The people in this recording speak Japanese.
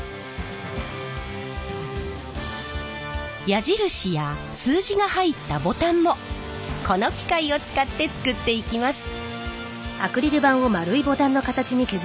矢印や数字が入ったボタンもこの機械を使って作っていきます。